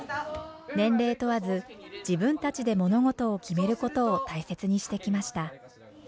年齢問わず自分たちで物事を決めることを大切にしてきました。